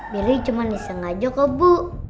billy cuma disengaja ke bu